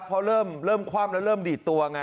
เพราะเริ่มคว่ำแล้วเริ่มดีดตัวไง